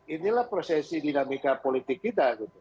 inilah prosesi dinamika politik kita